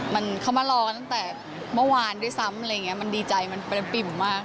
มันเข้ามารอตั้งแต่เมื่อวานด้วยซ้ำมันดีใจมันเป็นปิ่มมาก